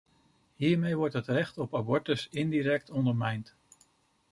Hiermee wordt het recht op abortus indirect ondermijnd.